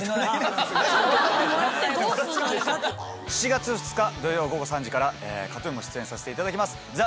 ７月２日土曜午後３時からＫＡＴ−ＴＵＮも出演させていただきます